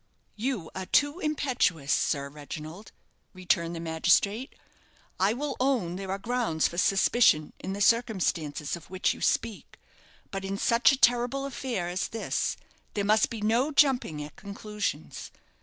"You are too impetuous, Sir Reginald," returned the magistrate. "I will own there are grounds for suspicion in the circumstances of which you speak; but in such a terrible affair as this there must be no jumping at conclusions.